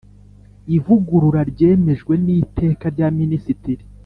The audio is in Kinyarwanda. Ivugurura ryemejwe n’iteka rya Minisitiri